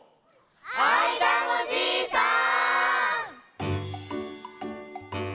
あいだのじいさん！